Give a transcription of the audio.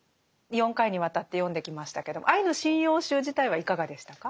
４回にわたって読んできましたけど「アイヌ神謡集」自体はいかがでしたか？